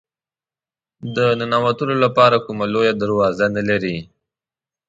د ننوتلو لپاره کومه لویه دروازه نه لري.